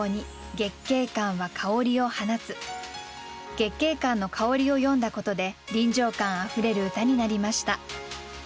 月桂冠の香りを詠んだことで臨場感あふれる歌になりました。